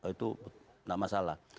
itu enggak masalah